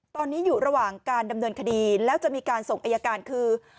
ตอนนี้อยู่ระหว่างการดำเนินคดีแล้วจะมีการส่งอายการคือ